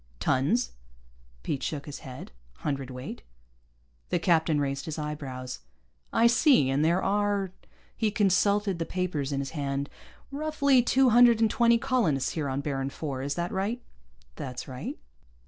"Tons?" Pete shook his head. "Hundredweight." The captain raised his eyebrows. "I see. And there are " he consulted the papers in his hand "roughly two hundred and twenty colonists here on Baron IV. Is that right?" "That's right."